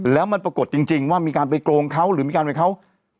แล้วมันปรากฏจริงว่ามีการไปโกงเขาหรือมีการไปเขา